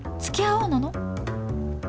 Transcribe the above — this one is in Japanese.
付き合おうなの？